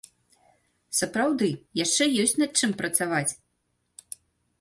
Сапраўды, яшчэ ёсць над чым працаваць!